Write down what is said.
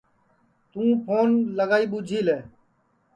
توں پھون لگائی ٻوچھی لے